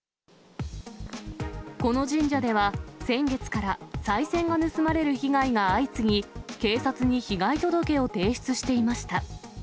この神社では、先月からさい銭が盗まれる被害が相次ぎ、警察に被害届を提出していました。